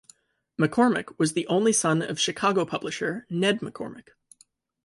McCormack was the only son of Chicago publisher Ned McCormack.